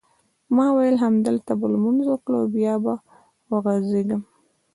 ما وېل همدلته به لمونځ وکړم او بیا به وغځېږم.